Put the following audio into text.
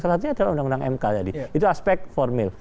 salah satunya adalah undang undang mk tadi itu aspek formil